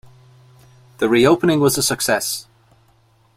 The reopening was a success.